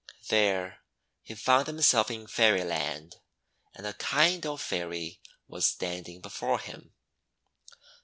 There he found himself in Fairyland; and a kind old Fairy was standing before him.